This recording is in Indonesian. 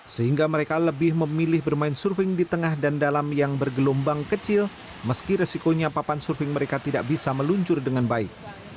sehingga mereka lebih memilih bermain surfing di tengah dan dalam yang bergelombang kecil meski resikonya papan surfing mereka tidak bisa meluncur dengan baik